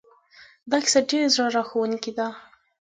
دا کیسه ډېره زړه راښکونکې ده